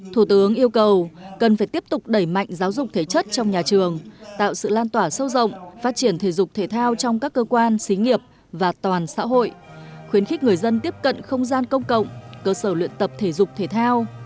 thủ tướng yêu cầu cần phải tiếp tục đẩy mạnh giáo dục thể chất trong nhà trường tạo sự lan tỏa sâu rộng phát triển thể dục thể thao trong các cơ quan xí nghiệp và toàn xã hội khuyến khích người dân tiếp cận không gian công cộng cơ sở luyện tập thể dục thể thao